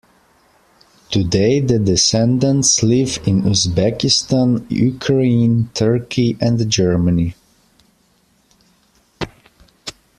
Today the descendants live in Uzbekistan, Ukraine, Turkey and Germany.